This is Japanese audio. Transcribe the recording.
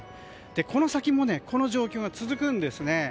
この先もこの状況が続くんです。